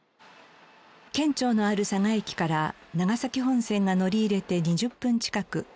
県庁のある佐賀駅から長崎本線が乗り入れて２０分近く。